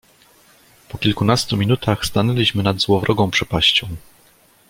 "Po kilkunastu minutach, stanęliśmy nad złowrogą przepaścią."